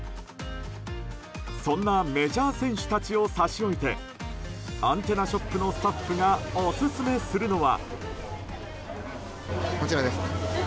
そんなメジャー選手たちを差し置いてアンテナショップのスタッフがオススメするのは。